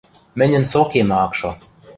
Мӹньӹн со кемӹ ак шо.